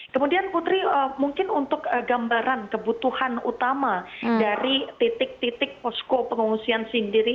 kemudian putri mungkin untuk gambaran kebutuhan utama dari titik titik posko pengungsian sendiri